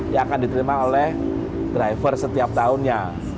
yang akan diterima oleh driver setiap tahunnya